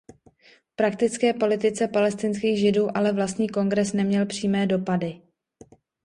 V praktické politice palestinských Židů ale vlastní kongres neměl přímé dopady.